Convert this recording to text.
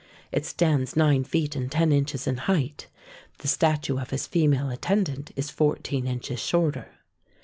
It stands nine feet and ten inches in height ; the statue of his female attendant is fourteen inches shorter.